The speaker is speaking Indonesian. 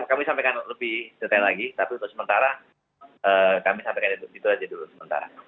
kami sampaikan lebih detail lagi tapi untuk sementara kami sampaikan itu aja dulu sementara